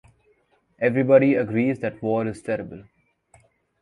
Everybody agrees that war is terrible.